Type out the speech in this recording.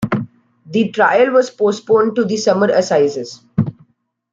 The trial was postponed to the summer assizes.